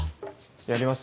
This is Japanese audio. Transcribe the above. やります？